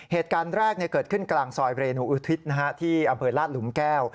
เหตุการณ์แรกเกิดขึ้นกลางซอยเรนูอุทิศที่อำเภอลาดหลุมแก้ว